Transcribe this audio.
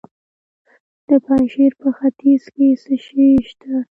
د پنجشیر په خینج کې څه شی شته؟